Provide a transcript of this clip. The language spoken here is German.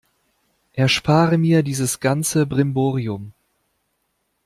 Erspare mir dieses ganze Brimborium!